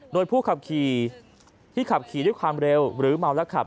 โดยผู้ขับขี่ที่ขับขี่ด้วยความเร็วหรือเมาแล้วขับ